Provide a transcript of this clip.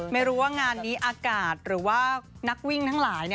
ไม่รู้ว่างานนี้อากาศหรือว่านักวิ่งทั้งหลาย